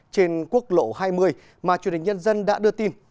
trên quốc lộ hai mươi mà truyền hình nhân dân đã đưa tin